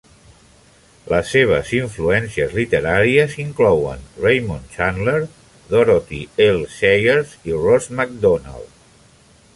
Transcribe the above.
Les seves influències literàries inclouen Raymond Chandler, Dorothy L. Sayers i Ross Macdonald.